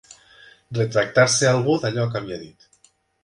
Retractar-se algú d'allò que havia dit.